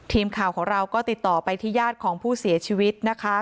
ทีมข่าวของเราก็ติดต่อไปที่ญาติของผู้เสียชีวิตนะคะ